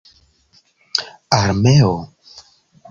armeo